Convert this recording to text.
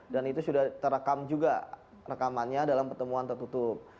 dan itu sudah terekam juga rekamannya dalam pertemuan tertutup